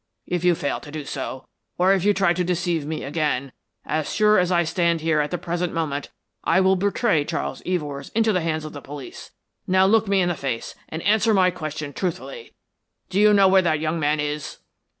If you fail to do so, or if you try to deceive me again, as sure as I stand here at the present moment I will betray Charles Evors into the hands of the police. Now look me in the face and answer my question truthfully Do you know where that young man is?"